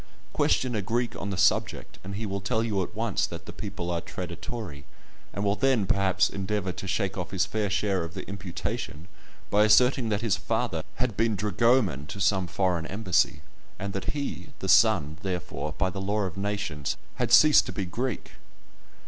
Question a Greek on the subject, and he will tell you at once that the people are traditori, and will then, perhaps, endeavour to shake off his fair share of the imputation by asserting that his father had been dragoman to some foreign embassy, and that he (the son), therefore, by the law of nations, had ceased to be Greek.